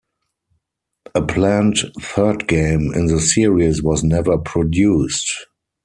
A planned third game in the series was never produced.